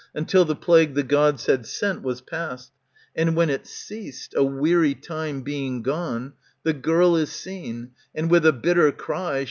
Until the plague the Gods had sent was past ; And when it ceased, a weary time being gone. The girl is seen, and with a bitter cry.